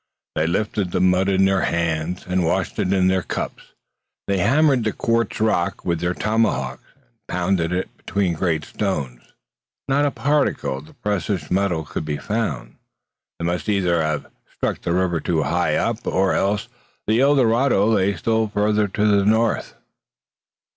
They lifted the mud in their hands, and washed it in their cups; they hammered the quartz rock with their tomahawks, and pounded it between great stones. Not a particle of the precious metal could be found. They must either have struck the river too high up, or else the El Dorado lay still farther to the north.